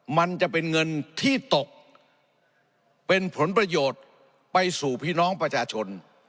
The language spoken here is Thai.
มันจะเป็นเงินที่ตกเป็นผลประโยชน์ไปสู่พี่น้องประชาชน